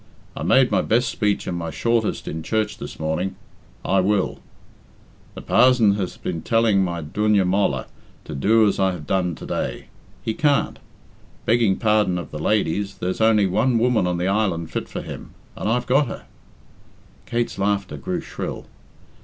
I made my best speech and my shortest in church this morning I will. The parzon has has been telling my dooiney molla to do as I have done today. He can't. Begging pardon of the ladies, there's only one woman on the island fit for him, and I've got her." (Kate's laughter grew shrill.)